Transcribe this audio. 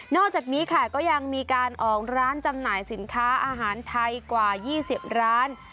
อกจากนี้ค่ะก็ยังมีการออกร้านจำหน่ายสินค้าอาหารไทยกว่า๒๐ร้าน